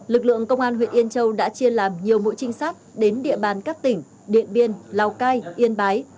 lực lượng công an huyện yên châu đã chia làm nhiều mũi trinh sát đến địa bàn các tỉnh điện biên lào cai yên bái